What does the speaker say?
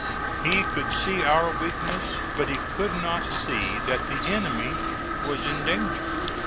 He could see our weakness, but he could not see that the enemy was in danger.